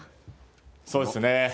そうですね。